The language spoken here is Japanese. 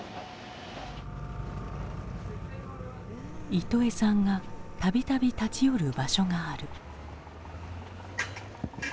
イトエさんが度々立ち寄る場所がある。